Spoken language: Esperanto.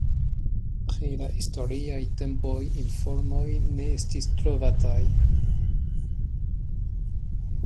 Pri la historiaj tempoj informoj ne estis trovataj.